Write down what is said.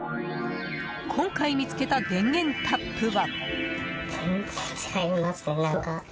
今回見つけた電源タップは。